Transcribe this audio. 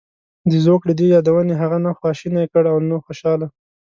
د زوکړې دې یادونې هغه نه خواشینی کړ او نه خوشاله.